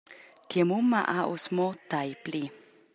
Tia mumma ha ussa mo tei pli.